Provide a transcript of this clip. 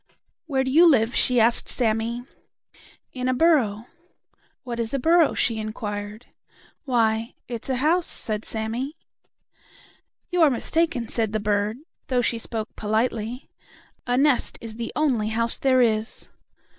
"Where do you live?" she asked Sammie. "In a burrow." "What is a burrow?" she inquired. "Why, it's a house," said Sammie. "You are mistaken," said the bird, though she spoke politely. "A nest is the only house there is."